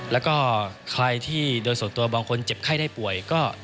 แล้วก็ใครที่โดยส่วนตัวบางคนเจ็บไข้ได้ป่วยก็